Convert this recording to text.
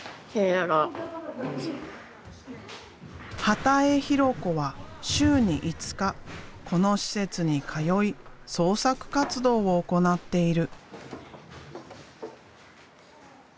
波多江弘子は週に５日この施設に通い創作活動を行っている。